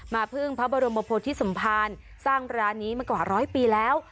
พึ่งพระบรมโพธิสมภารสร้างร้านนี้มากว่าร้อยปีแล้ว